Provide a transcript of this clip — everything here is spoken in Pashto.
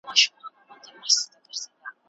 شريعت ولې د انسانانو خرڅول بند کړل؟